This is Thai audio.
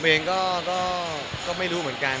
เองก็ไม่รู้เหมือนกัน